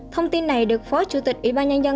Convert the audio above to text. thông tin này được phó chủ tịch ủy ban nhân dân